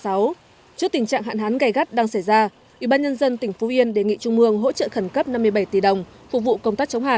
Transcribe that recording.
trước tình trạng hạn hán gây gắt đang xảy ra ủy ban nhân dân tỉnh phú yên đề nghị trung mương hỗ trợ khẩn cấp năm mươi bảy tỷ đồng phục vụ công tác chống hạn